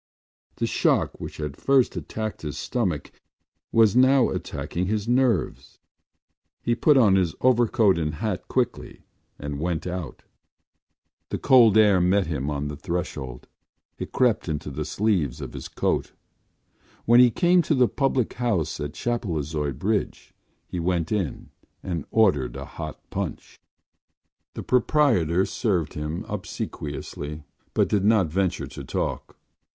The shock which had first attacked his stomach was now attacking his nerves. He put on his overcoat and hat quickly and went out. The cold air met him on the threshold; it crept into the sleeves of his coat. When he came to the public house at Chapelizod Bridge he went in and ordered a hot punch. The proprietor served him obsequiously but did not venture to talk.